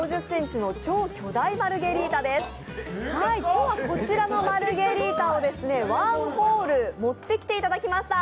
今日はこちらのマルゲリータを１ホール持ってきていただきました。